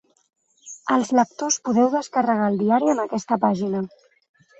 Els lectors podeu descarregar el diari en aquesta pàgina.